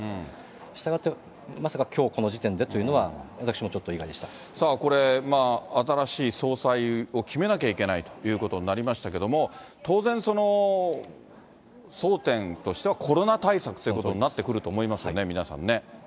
したがって、まさかきょうこの時点でというのは、私もちょっと意さあ、これ、新しい総裁を決めなきゃいけないということになりましたけれども、当然、争点としてはコロナ対策ということになってくると思いますよね、皆さんね。